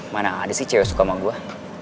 mana ada sih cewek suka sama gue